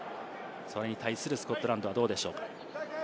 それに対するスコットランドはどうでしょう。